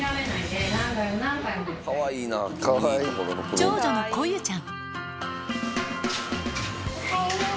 長女のこゆちゃん